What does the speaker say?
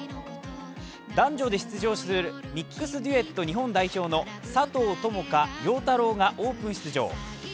男女で出場するミックスデュエット日本代表の佐藤友花・陽太郎がオープン出場。